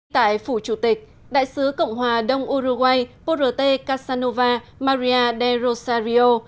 tại phủ chủ tịch đại sứ cộng hòa đông uruguay porote casanova maria de rosario